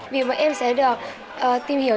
vì bọn em sẽ được tìm hiểu